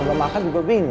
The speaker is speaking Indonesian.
gak makan juga bingung